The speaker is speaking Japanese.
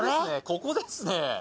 ここですね